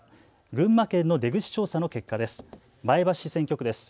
群馬県の出口調査の結果です。